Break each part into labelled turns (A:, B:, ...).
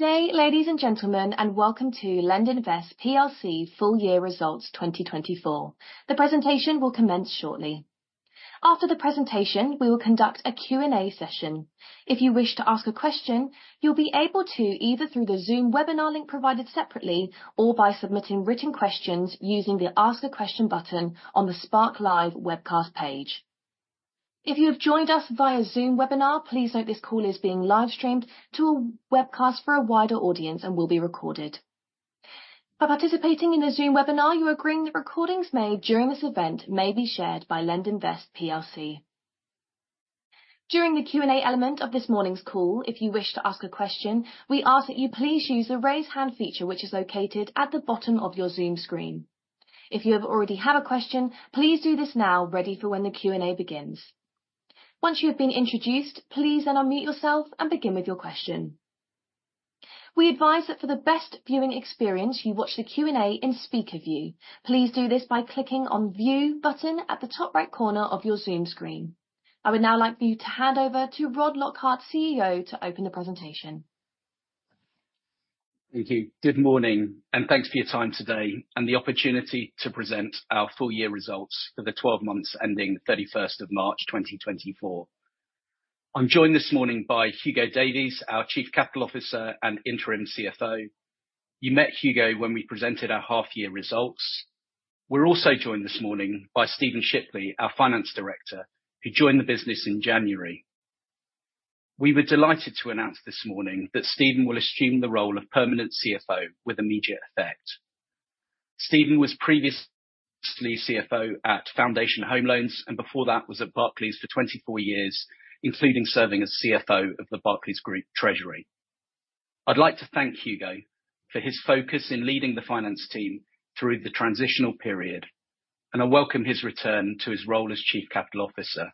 A: Today, ladies and gentlemen, and welcome to LendInvest PLC Full Year Results 2024. The presentation will commence shortly. After the presentation, we will conduct a Q&A session. If you wish to ask a question, you'll be able to either through the Zoom webinar link provided separately or by submitting written questions using the Ask a Question button on the SparkLive webcast page. If you have joined us via Zoom webinar, please note this call is being live streamed to a webcast for a wider audience and will be recorded. By participating in the Zoom webinar, you agree that recordings made during this event may be shared by LendInvest PLC. During the Q&A element of this morning's call, if you wish to ask a question, we ask that you please use the raise hand feature, which is located at the bottom of your Zoom screen. If you already have a question, please do this now, ready for when the Q&A begins. Once you have been introduced, please then unmute yourself and begin with your question. We advise that for the best viewing experience, you watch the Q&A in speaker view. Please do this by clicking on the view button at the top right corner of your Zoom screen. I would now like for you to hand over to Rod Lockhart CEO, to open the presentation.
B: Thank you. Good morning, and thanks for your time today and the opportunity to present our full year results for the 12 month ending 31st of March 2024. I'm joined this morning by Hugo Davies our chief capital officer and interim CFO. You met Hugo when we presented our half year results. We're also joined this morning by Stephen Shipley, our Finance Director, who joined the business in January. We were delighted to announce this morning that Stephen will assume the role of permanent CFO with immediate effect. Stephen was previously CFO at Foundation Home Loans and before that was at Barclays for 24 years, including serving as CFO of the Barclays Group Treasury. I'd like to thank Hugo for his focus in leading the finance team through the transitional period, and I welcome his return to his role as Chief Capital Officer.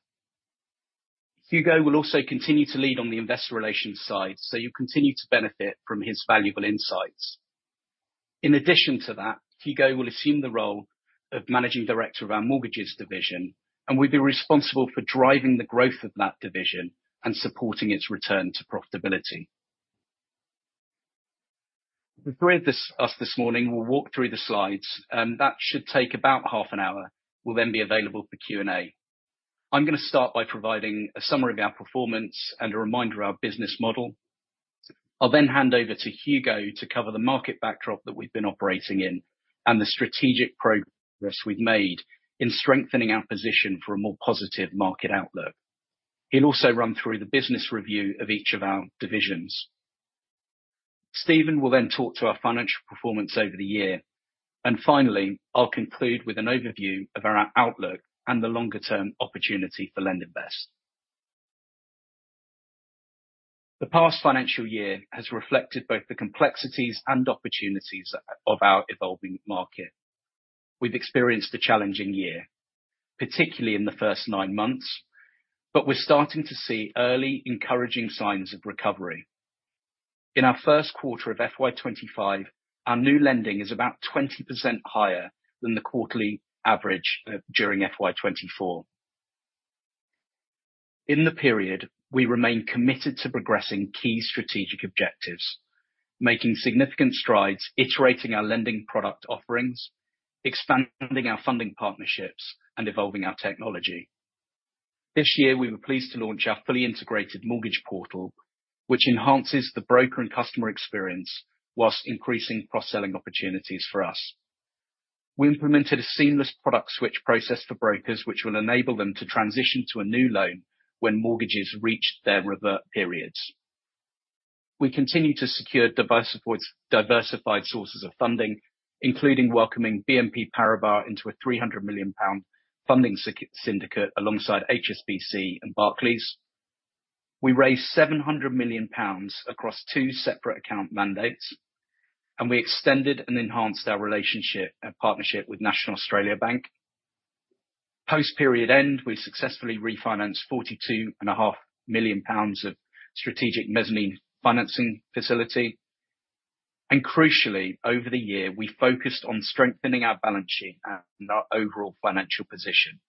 B: Hugo will also continue to lead on the investor relations side, so you'll continue to benefit from his valuable insights. In addition to that, Hugo will assume the role of Managing Director of our Mortgages Division, and we'll be responsible for driving the growth of that division and supporting its return to profitability. Before we start this morning, we'll walk through the slides, and that should take about half an hour. We'll then be available for Q&A. I'm going to start by providing a summary of our performance and a reminder of our business model. I'll then hand over to Hugo to cover the market backdrop that we've been operating in and the strategic progress we've made in strengthening our position for a more positive market outlook. He'll also run through the business review of each of our divisions. Stephen will then talk to our financial performance over the year. Finally, I'll conclude with an overview of our outlook and the longer term opportunity for LendInvest. The past financial year has reflected both the complexities and opportunities of our evolving market. We've experienced a challenging year, particularly in the first nine months, but we're starting to see early encouraging signs of recovery. In our first quarter of FY25, our new lending is about 20% higher than the quarterly average during FY24. In the period, we remain committed to progressing key strategic objectives, making significant strides, iterating our lending product offerings, expanding our funding partnerships, and evolving our technology. This year, we were pleased to launch our fully integrated mortgage portal, which enhances the broker and customer experience while increasing cross-selling opportunities for us. We implemented a seamless product switch process for brokers, which will enable them to transition to a new loan when mortgages reach their revert periods. We continue to secure diversified sources of funding, including welcoming BNP Paribas into a 300 million pound funding syndicate alongside HSBC and Barclays. We raised 700 million pounds across two separate account mandates, and we extended and enhanced our relationship and partnership with National Australia Bank. Post-period end, we successfully refinanced 42.5 million pounds of strategic mezzanine financing facility. Crucially, over the year, we focused on strengthening our balance sheet and our overall financial position.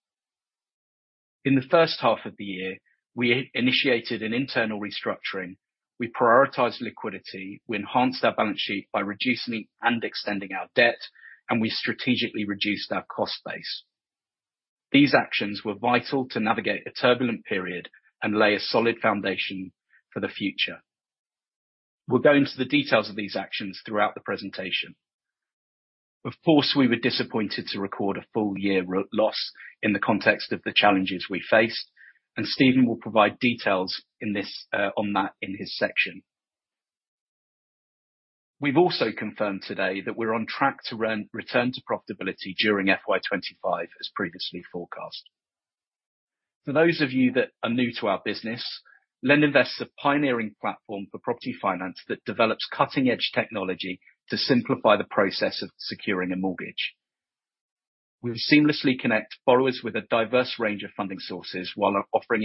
B: In the first half of the year, we initiated an internal restructuring. We prioritized liquidity. We enhanced our balance sheet by reducing and extending our debt, and we strategically reduced our cost base. These actions were vital to navigate a turbulent period and lay a solid foundation for the future. We'll go into the details of these actions throughout the presentation. Of course, we were disappointed to record a full year loss in the context of the challenges we faced, and Stephen will provide details on that in his section. We've also confirmed today that we're on track to return to profitability during FY2025, as previously forecast. For those of you that are new to our business, LendInvest is a pioneering platform for property finance that develops cutting-edge technology to simplify the process of securing a mortgage. We seamlessly connect borrowers with a diverse range of funding sources while offering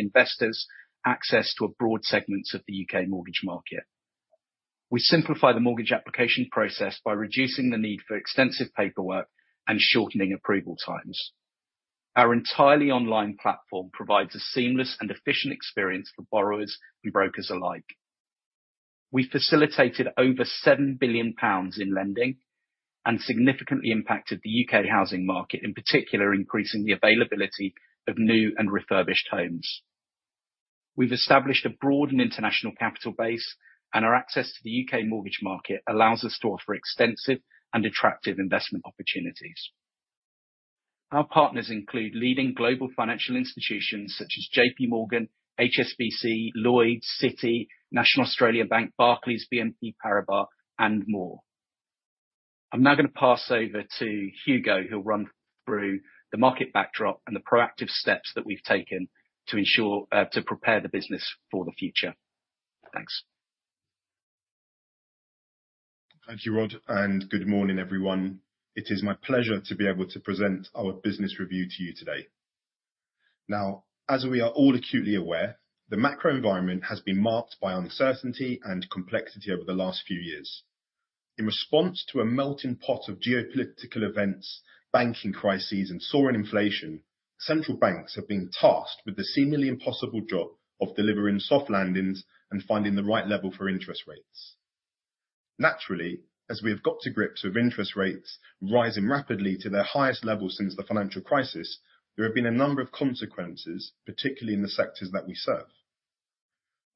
B: investors access to a broad segment of the UK mortgage market. We simplify the mortgage application process by reducing the need for extensive paperwork and shortening approval times. Our entirely online platform provides a seamless and efficient experience for borrowers and brokers alike. We facilitated over 7 billion pounds in lending and significantly impacted the UK housing market, in particular increasing the availability of new and refurbished homes. We've established a broad and international capital base, and our access to the UK mortgage market allows us to offer extensive and attractive investment opportunities. Our partners include leading global financial institutions such as JP Morgan, HSBC, Lloyds, Citi, National Australia Bank, Barclays, BNP Paribas, and more. I'm now going to pass over to Hugo, who will run through the market backdrop and the proactive steps that we've taken to prepare the business for the future. Thanks.
C: Thank you, Rod, and good morning, everyone. It is my pleasure to be able to present our business review to you today. Now, as we are all acutely aware, the macro environment has been marked by uncertainty and complexity over the last few years. In response to a melting pot of geopolitical events, banking crises, and soaring inflation, central banks have been tasked with the seemingly impossible job of delivering soft landings and finding the right level for interest rates. Naturally, as we have got to grips with interest rates rising rapidly to their highest level since the financial crisis, there have been a number of consequences, particularly in the sectors that we serve.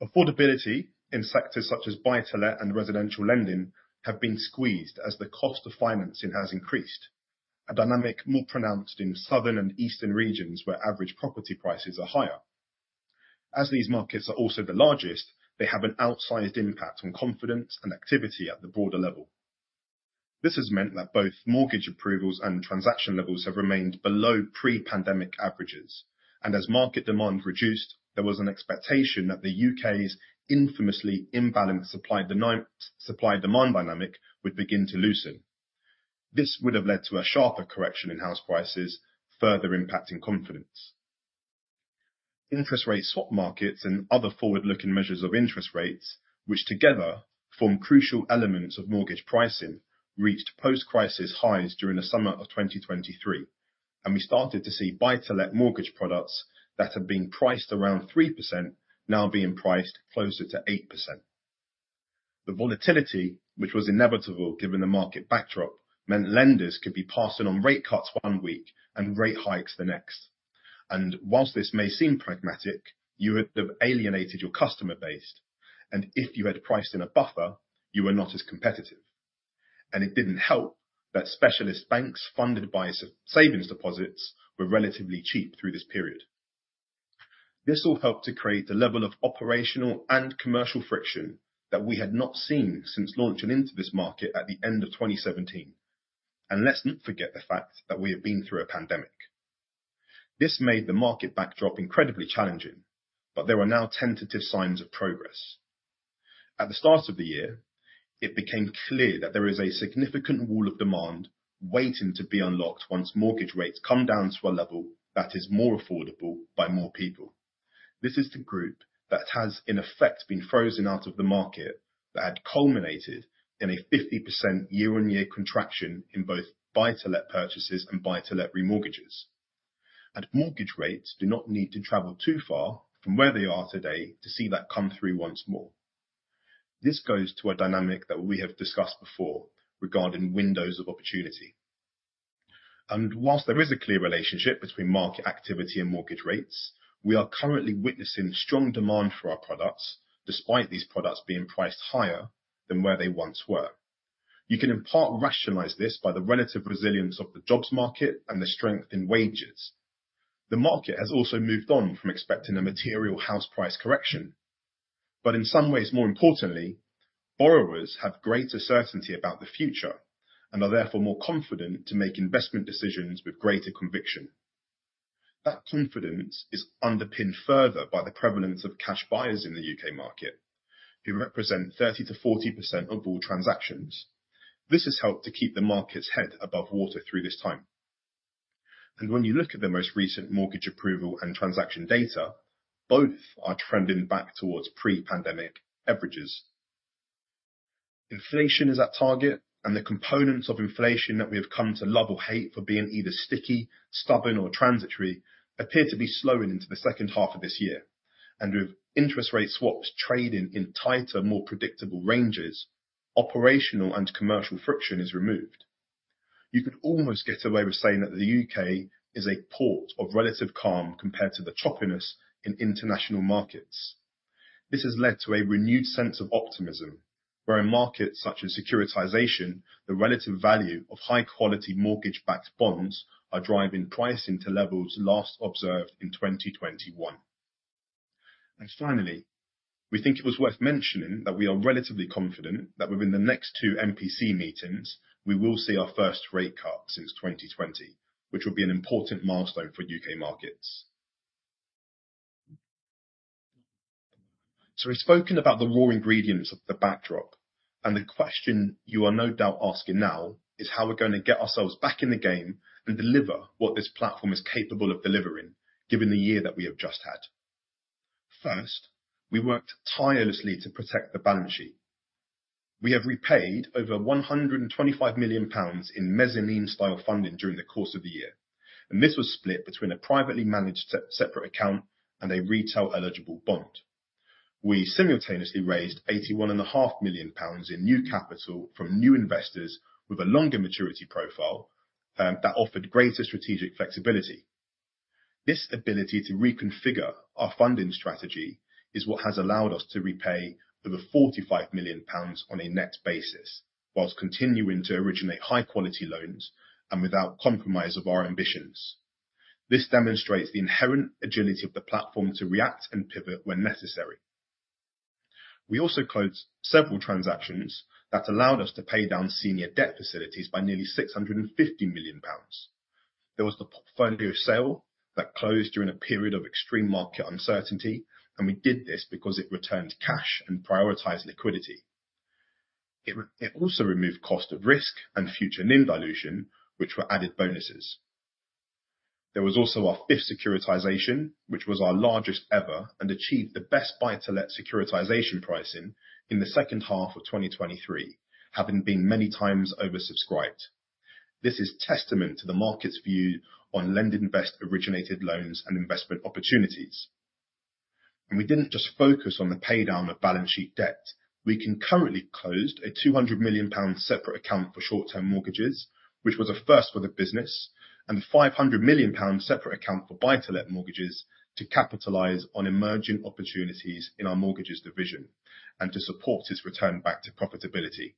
C: Affordability in sectors such as buy-to-let and residential lending have been squeezed as the cost of financing has increased, a dynamic more pronounced in southern and eastern regions where average property prices are higher. As these markets are also the largest, they have an outsized impact on confidence and activity at the broader level. This has meant that both mortgage approvals and transaction levels have remained below pre-pandemic averages, and as market demand reduced, there was an expectation that the U.K.'s infamously imbalanced supply-demand dynamic would begin to loosen. This would have led to a sharper correction in house prices, further impacting confidence. Interest rate swap markets and other forward-looking measures of interest rates, which together form crucial elements of mortgage pricing, reached post-crisis highs during the summer of 2023, and we started to see buy-to-let mortgage products that have been priced around 3% now being priced closer to 8%. The volatility, which was inevitable given the market backdrop, meant lenders could be passing on rate cuts one week and rate hikes the next. While this may seem pragmatic, you would have alienated your customer base, and if you had priced in a buffer, you were not as competitive. It didn't help that specialist banks funded by savings deposits were relatively cheap through this period. This all helped to create the level of operational and commercial friction that we had not seen since launching into this market at the end of 2017. Let's not forget the fact that we have been through a pandemic. This made the market backdrop incredibly challenging, but there are now tentative signs of progress. At the start of the year, it became clear that there is a significant wall of demand waiting to be unlocked once mortgage rates come down to a level that is more affordable by more people. This is the group that has in effect been frozen out of the market that had culminated in a 50% year-on-year contraction in both buy-to-let purchases and buy-to-let remortgages. Mortgage rates do not need to travel too far from where they are today to see that come through once more. This goes to a dynamic that we have discussed before regarding windows of opportunity. While there is a clear relationship between market activity and mortgage rates, we are currently witnessing strong demand for our products despite these products being priced higher than where they once were. You can in part rationalize this by the relative resilience of the jobs market and the strength in wages. The market has also moved on from expecting a material house price correction. But in some ways, more importantly, borrowers have greater certainty about the future and are therefore more confident to make investment decisions with greater conviction. That confidence is underpinned further by the prevalence of cash buyers in the UK market, who represent 30%-40% of all transactions. This has helped to keep the market's head above water through this time. When you look at the most recent mortgage approval and transaction data, both are trending back towards pre-pandemic averages. Inflation is at target, and the components of inflation that we have come to love or hate for being either sticky, stubborn, or transitory appear to be slowing into the second half of this year. With interest rate swaps trading in tighter, more predictable ranges, operational and commercial friction is removed. You could almost get away with saying that the U.K. is a port of relative calm compared to the choppiness in international markets. This has led to a renewed sense of optimism, where in markets such as securitization, the relative value of high-quality mortgage-backed bonds are driving pricing to levels last observed in 2021. Finally, we think it was worth mentioning that we are relatively confident that within the next 2 MPC meetings, we will see our first rate cut since 2020, which will be an important milestone for U.K. markets. We've spoken about the raw ingredients of the backdrop, and the question you are no doubt asking now is how we're going to get ourselves back in the game and deliver what this platform is capable of delivering given the year that we have just had. First, we worked tirelessly to protect the balance sheet. We have repaid over 125 million pounds in mezzanine-style funding during the course of the year, and this was split between a privately managed separate account and a retail-eligible bond. We simultaneously raised 81.5 million pounds in new capital from new investors with a longer maturity profile that offered greater strategic flexibility. This ability to reconfigure our funding strategy is what has allowed us to repay over 45 million pounds on a net basis while continuing to originate high-quality loans and without compromise of our ambitions. This demonstrates the inherent agility of the platform to react and pivot when necessary. We also closed several transactions that allowed us to pay down senior debt facilities by nearly 650 million pounds. There was the portfolio sale that closed during a period of extreme market uncertainty, and we did this because it returned cash and prioritized liquidity. It also removed cost of risk and future NIM dilution, which were added bonuses. There was also our fifth securitization, which was our largest ever and achieved the best buy-to-let securitization pricing in the second half of 2023, having been many times oversubscribed. This is testament to the market's view on LendInvest-originated loans and investment opportunities. We didn't just focus on the paydown of balance sheet debt. We concurrently closed a 200 million pounds separate account for short-term mortgages, which was a first for the business, and a 500 million pounds separate account for buy-to-let mortgages to capitalize on emerging opportunities in our mortgages division and to support its return back to profitability.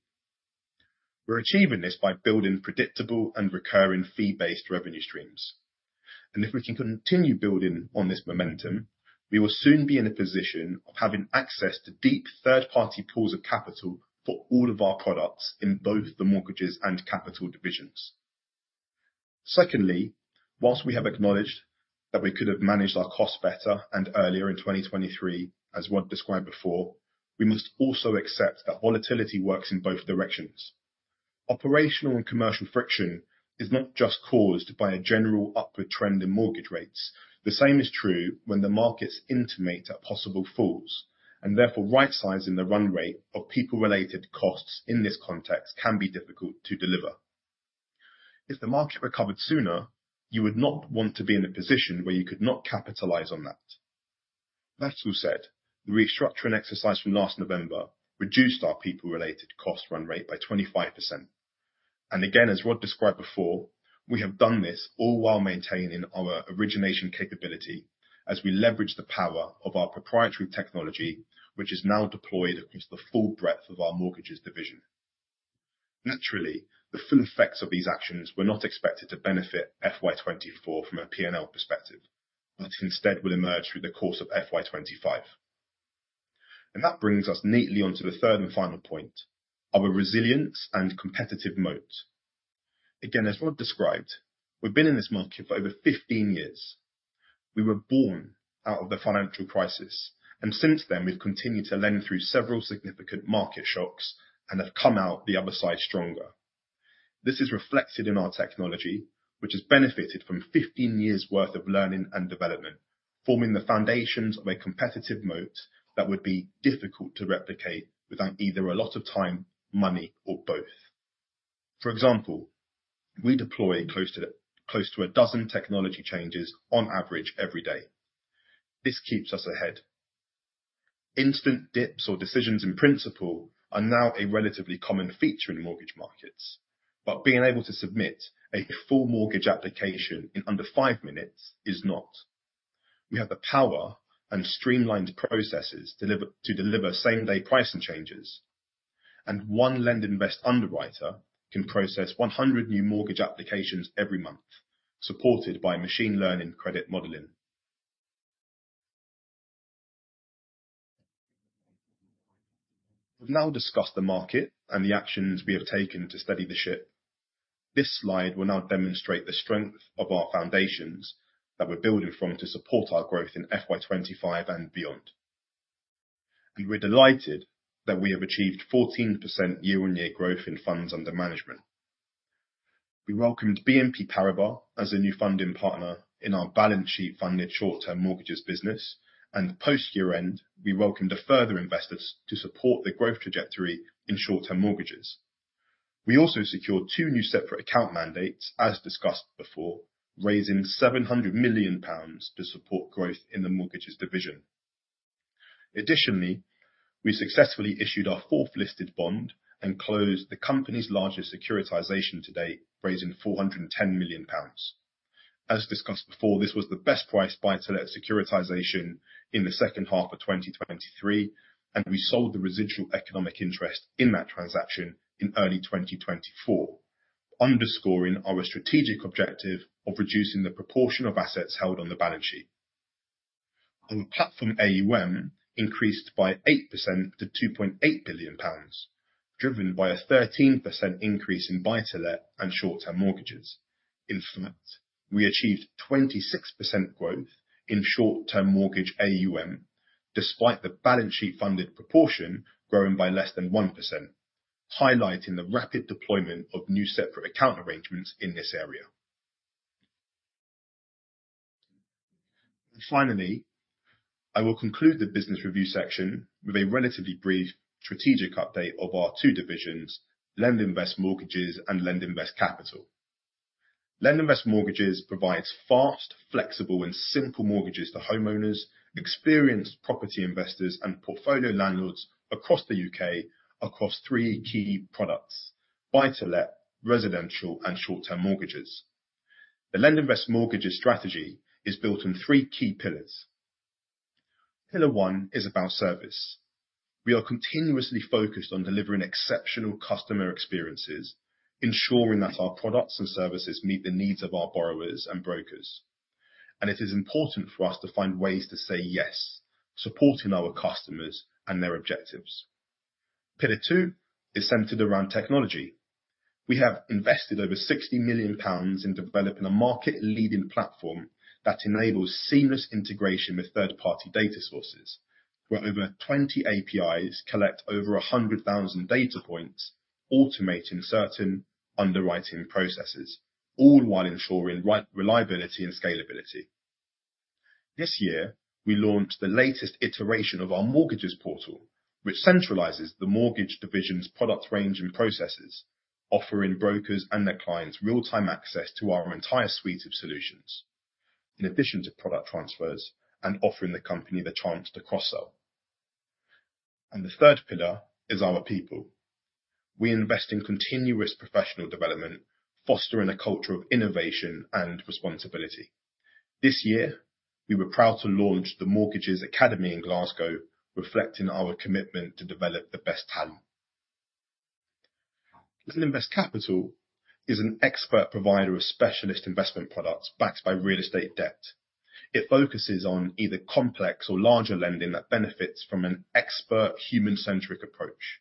C: We're achieving this by building predictable and recurring fee-based revenue streams. If we can continue building on this momentum, we will soon be in a position of having access to deep third-party pools of capital for all of our products in both the mortgages and capital divisions. Secondly, whilst we have acknowledged that we could have managed our costs better and earlier in 2023, as Rod described before, we must also accept that volatility works in both directions. Operational and commercial friction is not just caused by a general upward trend in mortgage rates. The same is true when the markets intimate at possible falls, and therefore right-sizing the run rate of people-related costs in this context can be difficult to deliver. If the market recovered sooner, you would not want to be in a position where you could not capitalize on that. That all said, the restructuring exercise from last November reduced our people-related cost run rate by 25%. And again, as Rod described before, we have done this all while maintaining our origination capability as we leverage the power of our proprietary technology, which is now deployed across the full breadth of our mortgages division. Naturally, the full effects of these actions were not expected to benefit FY24 from a P&L perspective, but instead will emerge through the course of FY25. And that brings us neatly onto the third and final point of a resilience and competitive moat. Again, as Rod described, we've been in this market for over 15 years. We were born out of the financial crisis, and since then we've continued to lend through several significant market shocks and have come out the other side stronger. This is reflected in our technology, which has benefited from 15 years' worth of learning and development, forming the foundations of a competitive moat that would be difficult to replicate without either a lot of time, money, or both. For example, we deploy close to 12 technology changes on average every day. This keeps us ahead. Instant DIPs or decisions in principle are now a relatively common feature in mortgage markets, but being able to submit a full mortgage application in under 5 minutes is not. We have the power and streamlined processes to deliver same-day pricing changes, and one LendInvest underwriter can process 100 new mortgage applications every month, supported by machine learning credit modeling. We've now discussed the market and the actions we have taken to steady the ship. This slide will now demonstrate the strength of our foundations that we're building from to support our growth in FY25 and beyond. We're delighted that we have achieved 14% year-on-year growth in funds under management. We welcomed BNP Paribas as a new funding partner in our balance sheet-funded short-term mortgages business, and post-year-end, we welcomed a further investor to support the growth trajectory in short-term mortgages. We also secured two new separate account mandates, as discussed before, raising 700 million pounds to support growth in the mortgages division. Additionally, we successfully issued our fourth listed bond and closed the company's largest securitization to date, raising 410 million pounds. As discussed before, this was the best price buy-to-let securitization in the second half of 2023, and we sold the residual economic interest in that transaction in early 2024, underscoring our strategic objective of reducing the proportion of assets held on the balance sheet. Our platform AUM increased by 8% to 2.8 billion pounds, driven by a 13% increase in buy-to-let and short-term mortgages. In fact, we achieved 26% growth in short-term mortgage AUM, despite the balance sheet-funded proportion growing by less than 1%, highlighting the rapid deployment of new separate account arrangements in this area. Finally, I will conclude the business review section with a relatively brief strategic update of our two divisions, LendInvest Mortgages and LendInvest Capital. LendInvest Mortgages provides fast, flexible, and simple mortgages to homeowners, experienced property investors, and portfolio landlords across the U.K. across three key products: buy-to-let, residential, and short-term mortgages. The LendInvest Mortgages strategy is built on three key pillars. Pillar one is about service. We are continuously focused on delivering exceptional customer experiences, ensuring that our products and services meet the needs of our borrowers and brokers. It is important for us to find ways to say yes, supporting our customers and their objectives. Pillar two is centered around technology. We have invested over 60 million pounds in developing a market-leading platform that enables seamless integration with third-party data sources, where over 20 APIs collect over 100,000 data points, automating certain underwriting processes, all while ensuring reliability and scalability. This year, we launched the latest iteration of our mortgages portal, which centralizes the mortgage division's product range and processes, offering brokers and their clients real-time access to our entire suite of solutions, in addition to product transfers, and offering the company the chance to cross-sell. The third pillar is our people. We invest in continuous professional development, fostering a culture of innovation and responsibility. This year, we were proud to launch the Mortgages Academy in Glasgow, reflecting our commitment to develop the best talent. LendInvest Capital is an expert provider of specialist investment products backed by real estate debt. It focuses on either complex or larger lending that benefits from an expert, human-centric approach.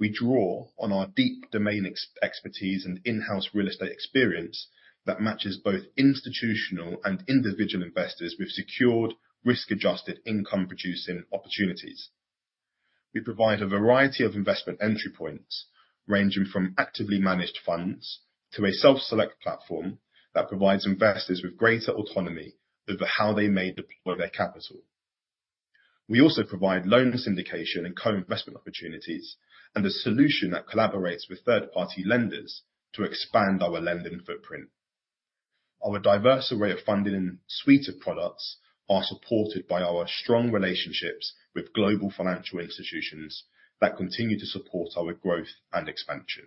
C: We draw on our deep domain expertise and in-house real estate experience that matches both institutional and individual investors with secured, risk-adjusted, income-producing opportunities. We provide a variety of investment entry points, ranging from actively managed funds to a self-select platform that provides investors with greater autonomy over how they may deploy their capital. We also provide loan syndication and co-investment opportunities and a solution that collaborates with third-party lenders to expand our lending footprint. Our diverse array of funding and suite of products are supported by our strong relationships with global financial institutions that continue to support our growth and expansion.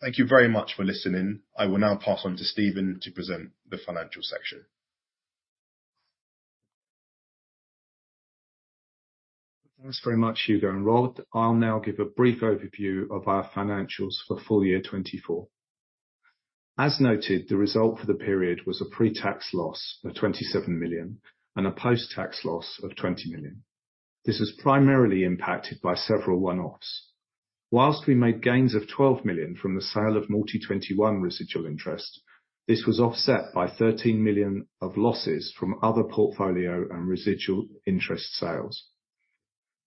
C: Thank you very much for listening. I will now pass on to Stephen to present the financial section. Thanks very much, Hugo and Rod. I'll now give a brief overview of our financials for full year 2024. As noted, the result for the period was a pre-tax loss of 27 million and a post-tax loss of 20 million. This was primarily impacted by several one-offs. While we made gains of 12 million from the sale of Mortimer 2021 residual interest, this was offset by 13 million of losses from other portfolio and residual interest sales.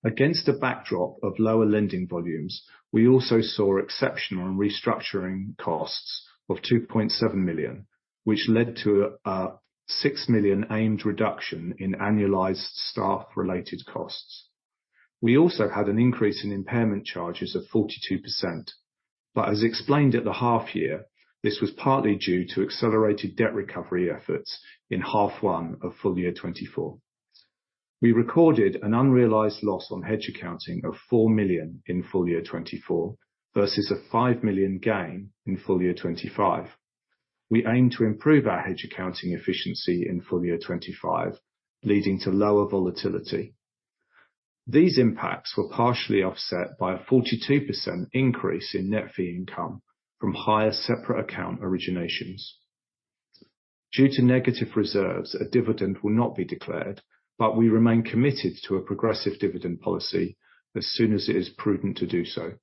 C: Against a backdrop of lower lending volumes, we also saw exceptional and restructuring costs of 2.7 million, which led to a 6 million annualized reduction in annualized staff-related costs. We also had an increase in impairment charges of 42%, but as explained at the half-year, this was partly due to accelerated debt recovery efforts in half-one of full year 2024. We recorded an unrealized loss on hedge accounting of 4 million in full year 2024 versus a 5 million gain in full year 2025. We aim to improve our hedge accounting efficiency in full year 2025, leading to lower volatility. These impacts were partially offset by a 42% increase in net fee income from higher separate account originations. Due to negative reserves, a dividend will not be declared, but we remain committed to a progressive dividend policy as soon as it is prudent to do so.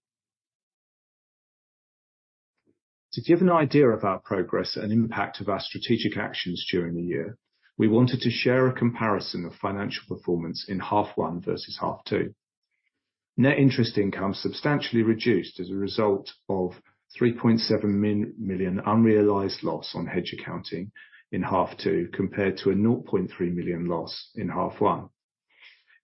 C: To give an idea of our progress and impact of our strategic actions during the year, we wanted to share a comparison of financial performance in half-one versus half-two. Net interest income substantially reduced as a result of 3.7 million unrealized loss on hedge accounting in half-two compared to a 0.3 million loss in half-one.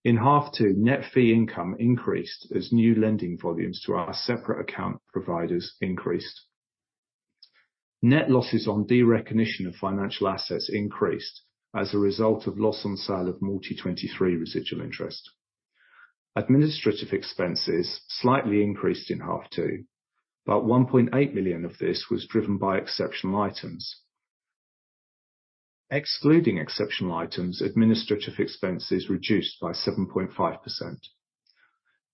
C: In half-two, net fee income increased as new lending volumes to our separate account providers increased. Net losses on derecognition of financial assets increased as a result of loss on sale of Mortimer 2023 residual interest. Administrative expenses slightly increased in half-two, but 1.8 million of this was driven by exceptional items. Excluding exceptional items, administrative expenses reduced by 7.5%.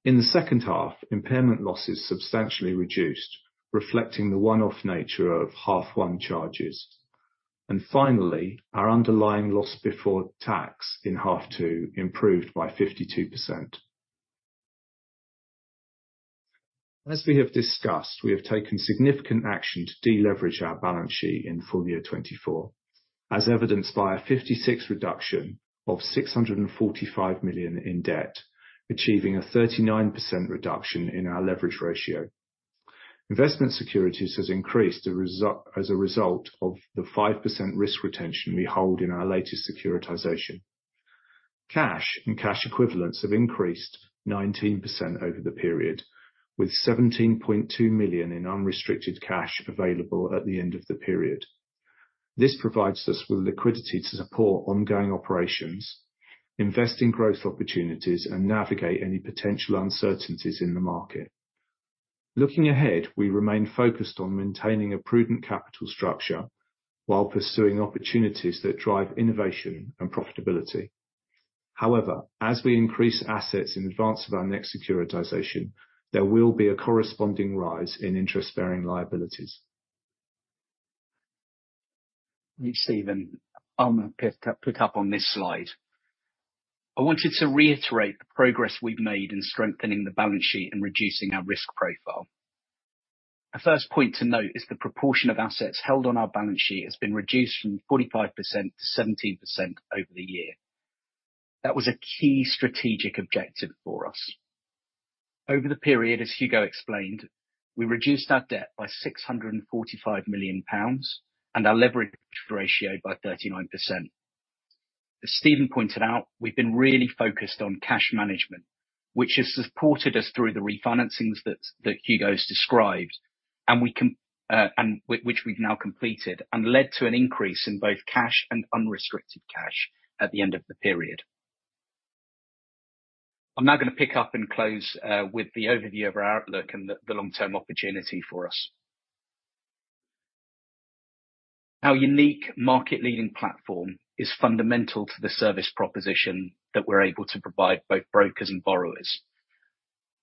C: In the second half, impairment losses substantially reduced, reflecting the one-off nature of half-one charges. Finally, our underlying loss before tax in half-two improved by 52%. As we have discussed, we have taken significant action to deleverage our balance sheet in full year 2024, as evidenced by a 56% reduction of 645 million in debt, achieving a 39% reduction in our leverage ratio. Investment securities has increased as a result of the 5% risk retention we hold in our latest securitization. Cash and cash equivalents have increased 19% over the period, with 17.2 million in unrestricted cash available at the end of the period. This provides us with liquidity to support ongoing operations, invest in growth opportunities, and navigate any potential uncertainties in the market. Looking ahead, we remain focused on maintaining a prudent capital structure while pursuing opportunities that drive innovation and profitability. However, as we increase assets in advance of our next securitization, there will be a corresponding rise in interest-bearing liabilities.
B: Thank you, Hugo. I'll now pick up on this slide. I wanted to reiterate the progress we've made in strengthening the balance sheet and reducing our risk profile. A first point to note is the proportion of assets held on our balance sheet has been reduced from 45% to 17% over the year. That was a key strategic objective for us. Over the period, as Hugo explained, we reduced our debt by 645 million pounds and our leverage ratio by 39%. As Stephen pointed out, we've been really focused on cash management, which has supported us through the refinancing that Hugo has described, and which we've now completed, and led to an increase in both cash and unrestricted cash at the end of the period. I'm now going to pick up and close with the overview of our outlook and the long-term opportunity for us. Our unique market-leading platform is fundamental to the service proposition that we're able to provide both brokers and borrowers.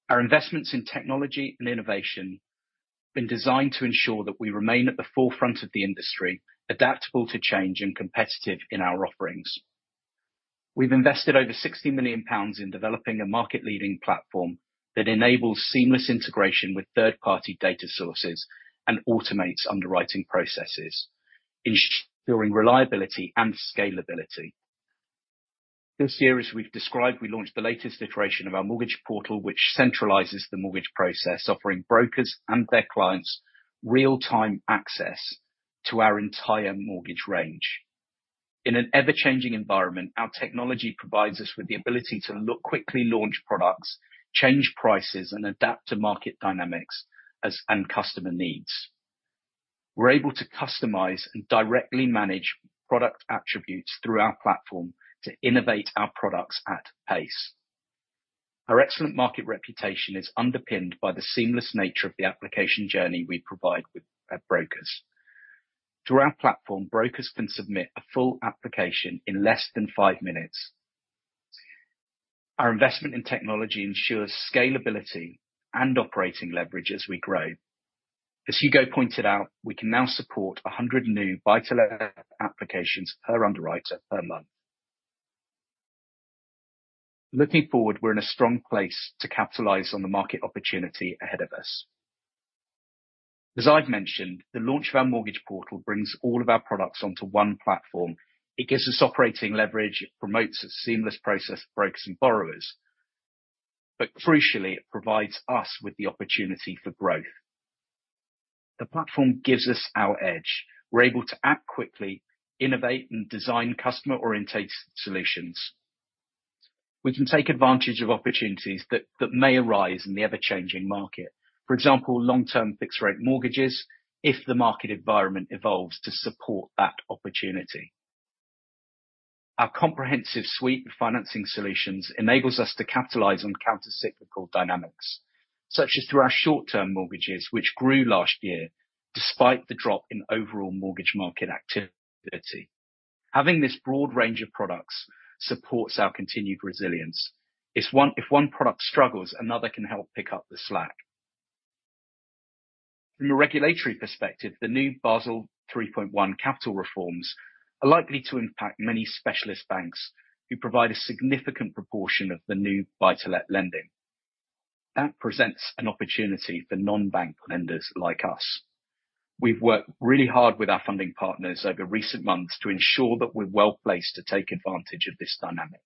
B: Our investments in technology and innovation have been designed to ensure that we remain at the forefront of the industry, adaptable to change, and competitive in our offerings. We've invested over 60 million pounds in developing a market-leading platform that enables seamless integration with third-party data sources and automates underwriting processes, ensuring reliability and scalability. This year, as we've described, we launched the latest iteration of our mortgage portal, which centralizes the mortgage process, offering brokers and their clients real-time access to our entire mortgage range. In an ever-changing environment, our technology provides us with the ability to look quickly, launch products, change prices, and adapt to market dynamics and customer needs. We're able to customize and directly manage product attributes through our platform to innovate our products at pace. Our excellent market reputation is underpinned by the seamless nature of the application journey we provide with brokers. Through our platform, brokers can submit a full application in less than five minutes. Our investment in technology ensures scalability and operating leverage as we grow. As Hugo pointed out, we can now support 100 new buy-to-let applications per underwriter per month. Looking forward, we're in a strong place to capitalize on the market opportunity ahead of us. As I've mentioned, the launch of our mortgage portal brings all of our products onto one platform. It gives us operating leverage, promotes a seamless process for brokers and borrowers, but crucially, it provides us with the opportunity for growth. The platform gives us our edge. We're able to act quickly, innovate, and design customer-oriented solutions. We can take advantage of opportunities that may arise in the ever-changing market, for example, long-term fixed-rate mortgages, if the market environment evolves to support that opportunity. Our comprehensive suite of financing solutions enables us to capitalize on countercyclical dynamics, such as through our short-term mortgages, which grew last year despite the drop in overall mortgage market activity. Having this broad range of products supports our continued resilience. If one product struggles, another can help pick up the slack. From a regulatory perspective, the new Basel 3.1 capital reforms are likely to impact many specialist banks who provide a significant proportion of the new buy-to-let lending. That presents an opportunity for non-bank lenders like us. We've worked really hard with our funding partners over recent months to ensure that we're well placed to take advantage of this dynamic.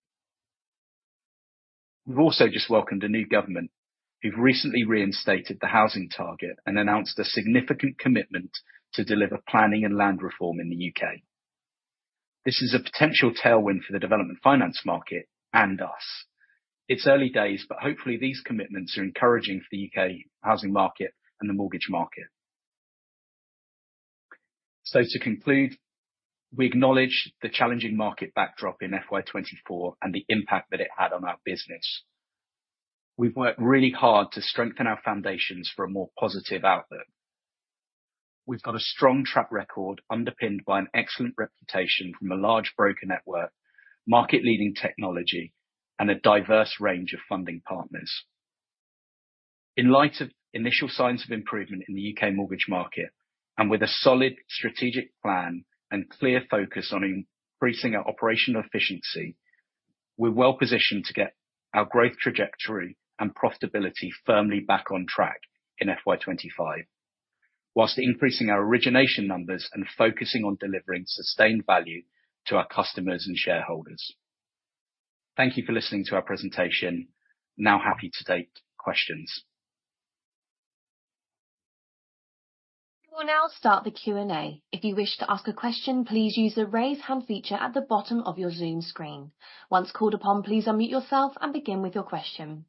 B: We've also just welcomed a new government who've recently reinstated the housing target and announced a significant commitment to deliver planning and land reform in the U.K. This is a potential tailwind for the development finance market and us. It's early days, but hopefully these commitments are encouraging for the UK housing market and the mortgage market. So, to conclude, we acknowledge the challenging market backdrop in FY2024 and the impact that it had on our business. We've worked really hard to strengthen our foundations for a more positive outlook. We've got a strong track record underpinned by an excellent reputation from a large broker network, market-leading technology, and a diverse range of funding partners. In light of initial signs of improvement in the UK mortgage market and with a solid strategic plan and clear focus on increasing our operational efficiency, we're well positioned to get our growth trajectory and profitability firmly back on track in FY2025, whilst increasing our origination numbers and focusing on delivering sustained value to our customers and shareholders. Thank you for listening to our presentation. Now, happy to take questions.
A: We will now start the Q&A. If you wish to ask a question, please use the raise hand feature at the bottom of your Zoom screen. Once called upon, please unmute yourself and begin with your question.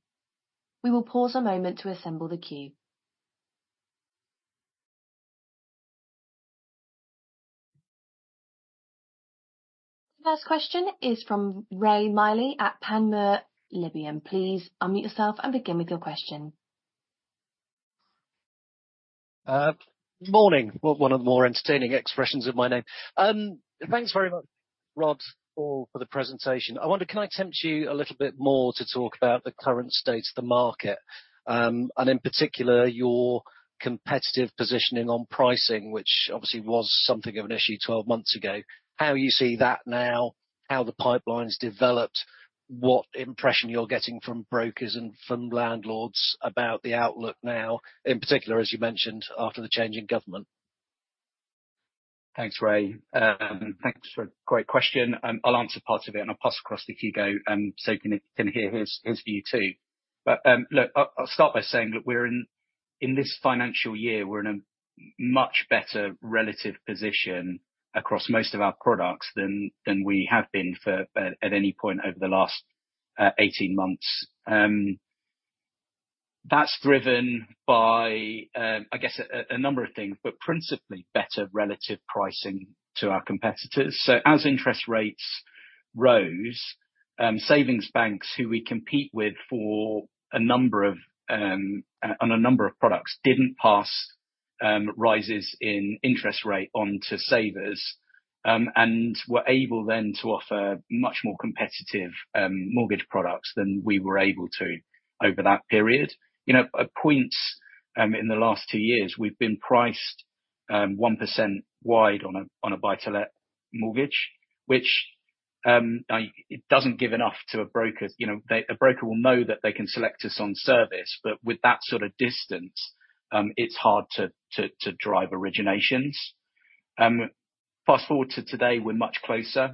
A: We will pause a moment to assemble the queue. The first question is from Rae Maile at Panmure Liberum. Please unmute yourself and begin with your question.
D: Good morning. One of the more entertaining expressions of my name. Thanks very much, Rod, for the presentation. I wonder, can I tempt you a little bit more to talk about the current state of the market and, in particular, your competitive positioning on pricing, which obviously was something of an issue 12 months ago, how you see that now, how the pipeline's developed, what impression you're getting from brokers and from landlords about the outlook now, in particular, as you mentioned, after the change in government?
B: Thanks, Rae. Thanks for a great question. I'll answer part of it, and I'll pass across to Hugo, so he can hear his view too. But look, I'll start by saying that we're in this financial year, we're in a much better relative position across most of our products than we have been at any point over the last 18 months. That's driven by, I guess, a number of things, but principally better relative pricing to our competitors. So, as interest rates rose, savings banks who we compete with for a number of products didn't pass rises in interest rate onto savers and were able then to offer much more competitive mortgage products than we were able to over that period. You know, at points in the last two years, we've been priced 1% wide on a buy-to-let mortgage, which doesn't give enough to a broker. You know, a broker will know that they can select us on service, but with that sort of distance, it's hard to drive originations. Fast forward to today, we're much closer.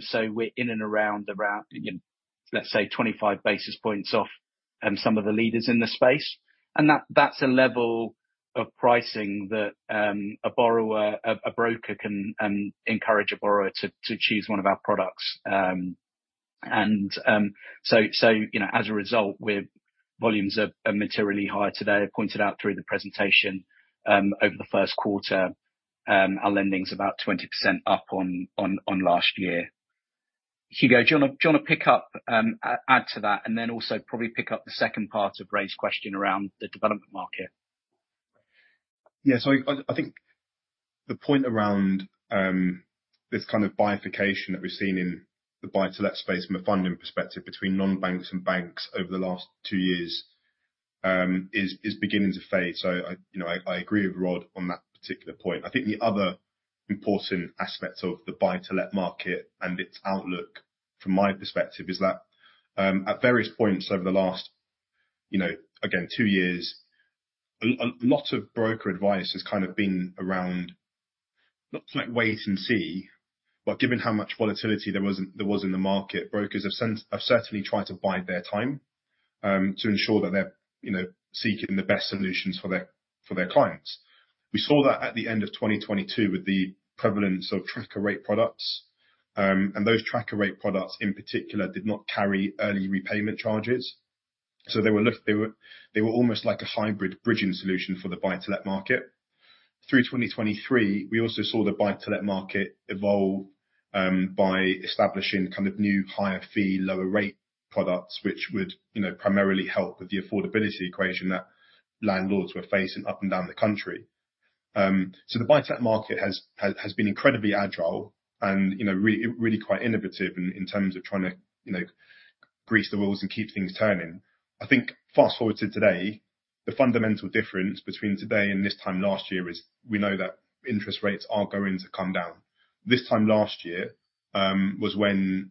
B: So, we're in and around, let's say, 25 basis points off some of the leaders in the space. That's a level of pricing that a broker can encourage a borrower to choose one of our products. And so, you know, as a result, volumes are materially higher today, pointed out through the presentation over the first quarter. Our lending's about 20% up on last year. Hugo, do you want to pick up, add to that, and then also probably pick up the second part of Rae's question around the development market?
C: Yeah, so I think the point around this kind of bifurcation that we've seen in the buy-to-let space from a funding perspective between non-banks and banks over the last two years is beginning to fade. So, I agree with Rod on that particular point. I think the other important aspect of the buy-to-let market and its outlook, from my perspective, is that at various points over the last, you know, again, 2 years, a lot of broker advice has kind of been around, not to like wait and see, but given how much volatility there was in the market, brokers have certainly tried to bide their time to ensure that they're seeking the best solutions for their clients. We saw that at the end of 2022 with the prevalence of tracker rate products. And those tracker rate products, in particular, did not carry early repayment charges. So, they were almost like a hybrid bridging solution for the buy-to-let market. Through 2023, we also saw the buy-to-let market evolve by establishing kind of new higher fee, lower rate products, which would primarily help with the affordability equation that landlords were facing up and down the country. So, the buy-to-let market has been incredibly agile and really quite innovative in terms of trying to grease the wheels and keep things turning. I think fast forward to today, the fundamental difference between today and this time last year is we know that interest rates are going to come down. This time last year was when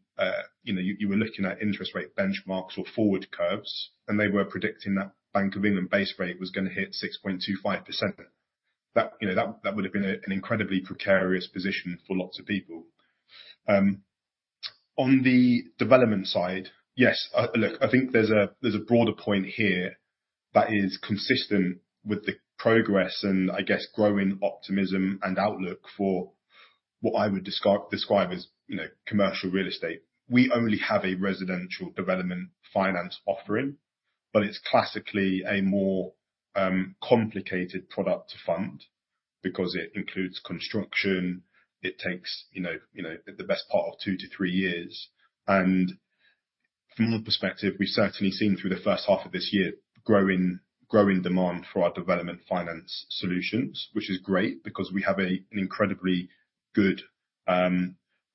C: you were looking at interest rate benchmarks or forward curves, and they were predicting that Bank of England base rate was going to hit 6.25%. That would have been an incredibly precarious position for lots of people. On the development side, yes, look, I think there's a broader point here that is consistent with the progress and, I guess, growing optimism and outlook for what I would describe as commercial real estate. We only have a residential development finance offering, but it's classically a more complicated product to fund because it includes construction. It takes the best part of 2-3 years. From our perspective, we've certainly seen through the first half of this year growing demand for our development finance solutions, which is great because we have an incredibly good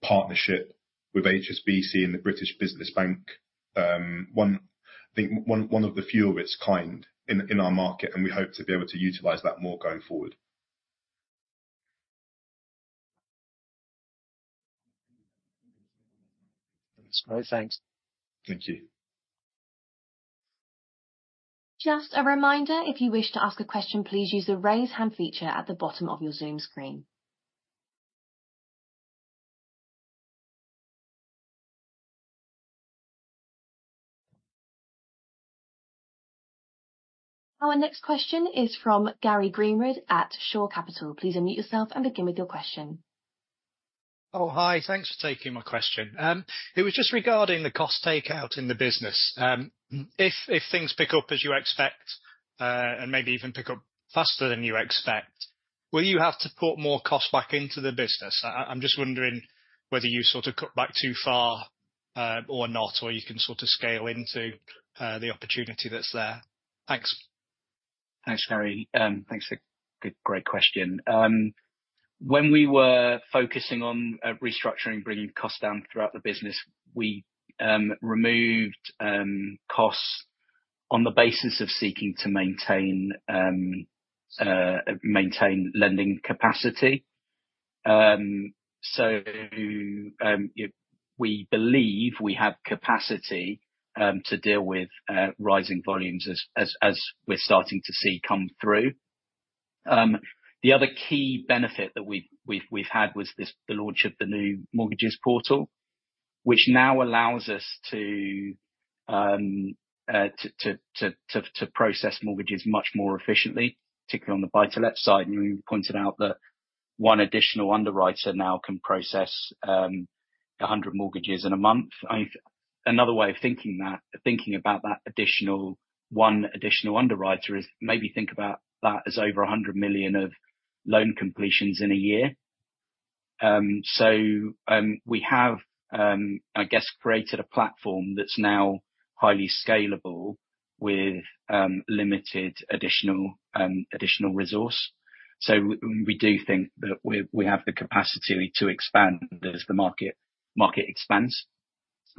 C: partnership with HSBC and the British Business Bank, I think one of the few of its kind in our market, and we hope to be able to utilize that more going forward.
D: That's great. Thanks.
C: Thank you.
A: Just a reminder, if you wish to ask a question, please use the raise hand feature at the bottom of your Zoom screen. Our next question is from Gary Greenwood at Shore Capital. Please unmute yourself and begin with your question.
E: Oh, hi. Thanks for taking my question. It was just regarding the cost takeout in the business. If things pick up as you expect and maybe even pick up faster than you expect, will you have to put more cost back into the business? I'm just wondering whether you sort of cut back too far or not, or you can sort of scale into the opportunity that's there. Thanks.
B: Thanks, Gary. Thanks for a great question. When we were focusing on restructuring, bringing costs down throughout the business, we removed costs on the basis of seeking to maintain lending capacity. So, we believe we have capacity to deal with rising volumes as we're starting to see come through. The other key benefit that we've had was the launch of the new mortgages portal, which now allows us to process mortgages much more efficiently, particularly on the buy-to-let side. And we pointed out that 1 additional underwriter now can process 100 mortgages in a month. Another way of thinking about that additional 1 additional underwriter is maybe think about that as over 100 million of loan completions in a year. So, we have, I guess, created a platform that's now highly scalable with limited additional resource. So, we do think that we have the capacity to expand as the market expands.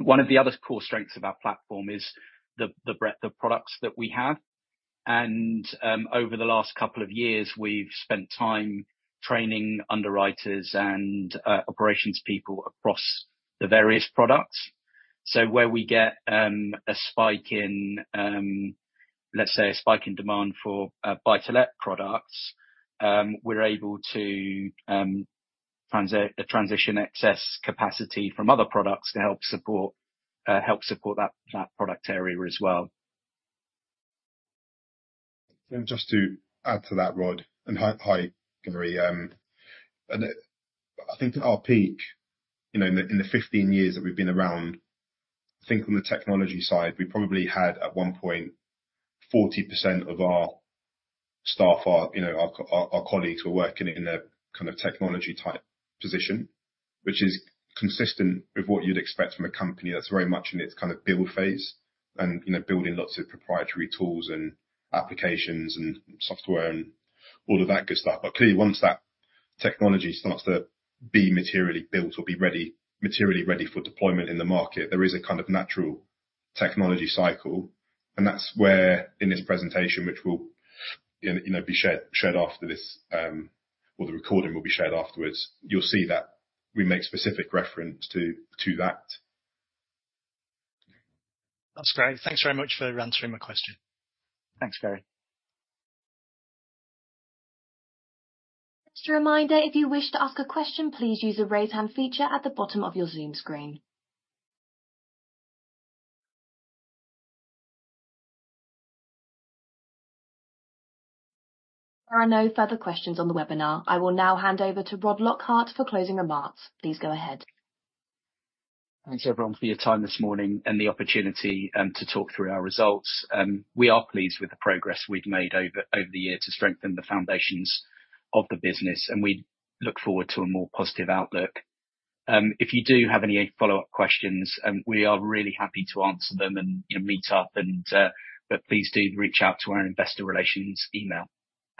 B: One of the other core strengths of our platform is the breadth of products that we have. Over the last couple of years, we've spent time training underwriters and operations people across the various products. So, where we get a spike in, let's say, a spike in demand for buy-to-let products, we're able to transition excess capacity from other products to help support that product area as well.
C: Just to add to that, Rod, and hi, Gary. I think at our peak, in the 15 years that we've been around, I think on the technology side, we probably had at one point 40% of our staff, our colleagues were working in a kind of technology-type position, which is consistent with what you'd expect from a company that's very much in its kind of build phase and building lots of proprietary tools and applications and software and all of that good stuff. But clearly, once that technology starts to be materially built or be materially ready for deployment in the market, there is a kind of natural technology cycle. And that's where in this presentation, which will be shared after this, or the recording will be shared afterwards, you'll see that we make specific reference to that.
E: That's great. Thanks very much for answering my question.
B: Thanks, Gary.
A: Just a reminder, if you wish to ask a question, please use the raise hand feature at the bottom of your Zoom screen. There are no further questions on the webinar. I will now hand over to Rod Lockhart for closing remarks. Please go ahead.
B: Thanks, everyone, for your time this morning and the opportunity to talk through our results. We are pleased with the progress we've made over the year to strengthen the foundations of the business, and we look forward to a more positive outlook. If you do have any follow-up questions, we are really happy to answer them and meet up, but please do reach out to our investor relations email.